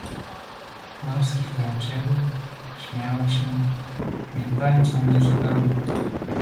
"Maski tańczyły, śmiały się, nie dbając o mnie zupełnie."